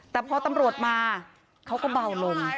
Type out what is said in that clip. แต่พอตำรวจมาเขาก็เบาลง